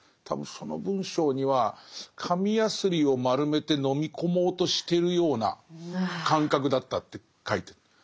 多分その文章には「紙やすりを丸めて飲み込もうとしてるような感覚だった」って書いてる。